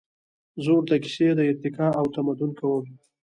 زهٔ ورته کیسې د ارتقا او تمدن کوم